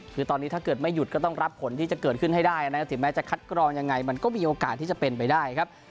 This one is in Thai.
คือตอนนี้ถ้าเกิดไม่หยุดก็ต้องรับผลที่จะเกิดขึ้นให้ได้นะครับถึงแม้จะคัดกรองยังไงมันก็มีโอกาสที่จะเป็นไปได้ครับ